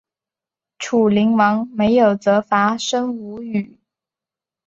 楚灵王没有责罚申无宇。